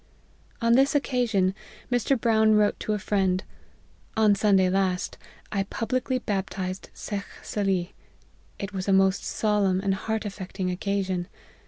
On this occasion, Mr. Brown wrote to a friend :' On Sunday last, I publicly baptized Shekh Salih. It was a most solemn and heart affecting occasion.